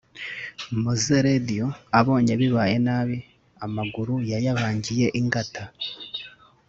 Mowzey Radio abonye bibaye nabi amaguru yayabangiye ingata